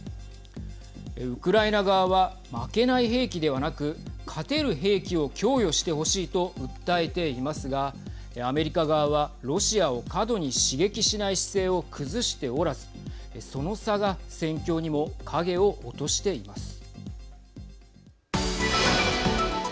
ウクライナ側は負けない兵器ではなく勝てる兵器を供与してほしいと訴えていますがアメリカ側は、ロシアを過度に刺激しない姿勢を崩しておらずその差が戦況にも影を落としています。